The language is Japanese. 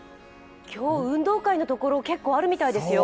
今日、運動会のところ結構あるようですよ。